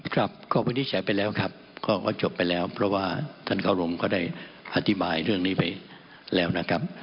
ครับก็วินิจฉัยไปแล้วครับก็จบไปแล้วเพราะว่าท่านเคารพก็ได้อธิบายเรื่องนี้ไปแล้วนะครับ